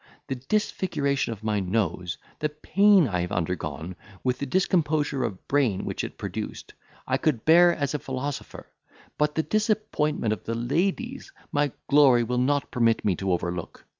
The disfiguration of my nose, the pain I have undergone, with the discomposure of brain which it produced, I could bear as a philosopher; but the disappointment of the ladies, my glory will not permit me to overlook.